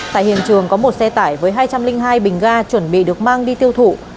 tại hiện trường có một xe tải với hai trăm linh hai bình ga chuẩn bị được mang đi tiêu thụ